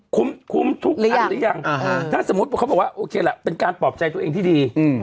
คุ้มคุ้มทุกอันหรือยังอ่าฮะถ้าสมมุติเขาบอกว่าโอเคแหละเป็นการปลอบใจตัวเองที่ดีอืม